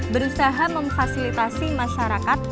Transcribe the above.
berusaha memfasilitasi masyarakat